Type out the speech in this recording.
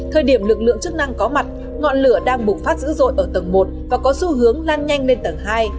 thời điểm lực lượng chức năng có mặt ngọn lửa đang bùng phát dữ dội ở tầng một và có xu hướng lan nhanh lên tầng hai